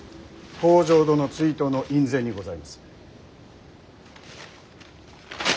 北条殿追討の院宣にございます。